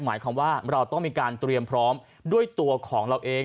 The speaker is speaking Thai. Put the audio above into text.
หมายความว่าเราต้องมีการเตรียมพร้อมด้วยตัวของเราเอง